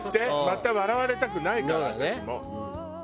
また笑われたくないから私も。